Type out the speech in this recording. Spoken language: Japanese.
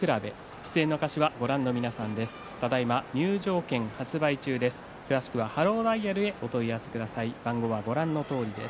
出演の歌手は、ご覧の皆さんです。